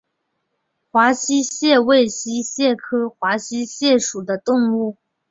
绛县华溪蟹为溪蟹科华溪蟹属的动物。